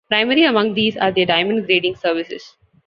Primary among these are their diamond grading services.